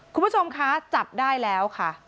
คุณผู้ชมคะจับได้แล้วค่ะ